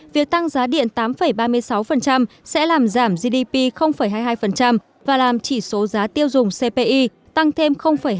việc tăng giá điện tám ba mươi sáu sẽ làm giảm gdp hai mươi hai và làm chỉ số giá tiêu dùng cpi tăng thêm hai mươi